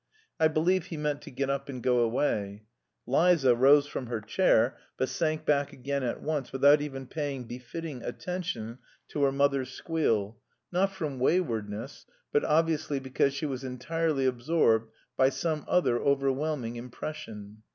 I believe he meant to get up and go away. Liza rose from her chair but sank back again at once without even paying befitting attention to her mother's squeal not from "waywardness," but obviously because she was entirely absorbed by some other overwhelming impression.